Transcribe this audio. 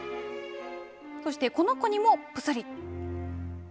そして、この子にもぷすり。